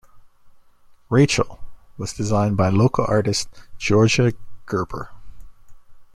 "Rachel" was designed by local artist Georgia Gerber.